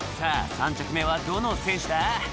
３着目はどの選手だ？